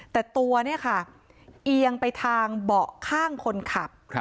แต่ตัวเนี่ยค่ะเอียงไปทางเบาะข้างคนขับ